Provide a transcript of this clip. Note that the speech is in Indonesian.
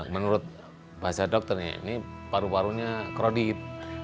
menurut bahasa dokter ini paru parunya krodit